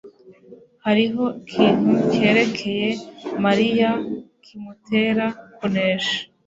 Hariho ikintu cyerekeye Mariya kimutera kuneshwa.